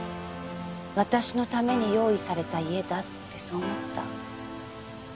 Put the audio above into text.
私のために用意された家だってそう思った。